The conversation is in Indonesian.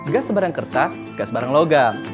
gak sebarang kertas gak sebarang logam